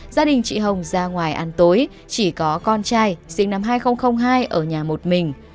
gia đình chị hồng ra ngoài ăn tối chỉ có con trai sinh năm hai nghìn hai ở nhà một mình